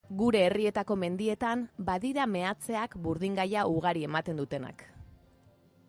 Gure herrietako mendietan badira meatzeak burdingaia ugari ematen dutenak.